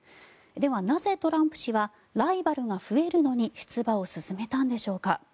では、なぜトランプ氏はライバルが増えるのに出馬を勧めたんでしょうか。